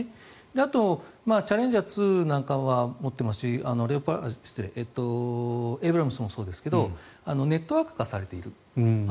あと、チャレンジャー２なんかは持っていますしエイブラムスもそうですけどネットワーク化されている。